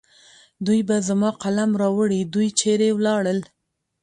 دوی به زما قلم راوړي. دوی چېرې ولاړل؟